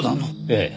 ええ。